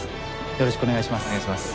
よろしくお願いします。